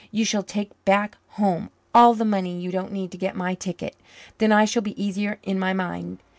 You shall take back home all the money you don't need to get my ticket. Then I shall be easier in my mind.